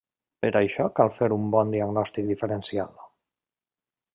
Per això cal fer un bon diagnòstic diferencial.